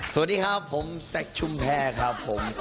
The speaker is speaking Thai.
สวัสดีครับผมแซคชุมแพรครับผม